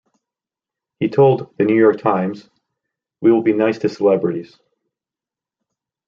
He told "The New York Times": "We will be nice to celebrities.